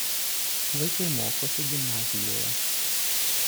Vaikai mokosi gimnazijoje.